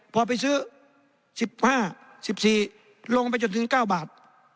พอไปซื้อ๑๕๑๔ลงไปจนถึง๙บาท